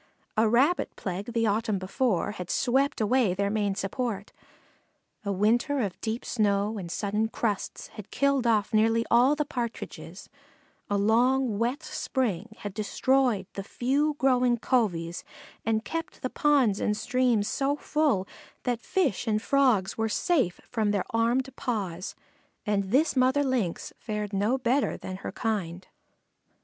A Rabbit plague the autumn before had swept away their main support; a winter of deep snow and sudden crusts had killed off nearly all the Partridges; a long wet spring had destroyed the few growing coveys and had kept the ponds and streams so full that Fish and Frogs were safe from their armed paws, and this mother Lynx fared no better than her kind.